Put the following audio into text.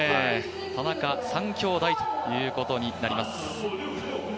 田中３兄弟ということになります。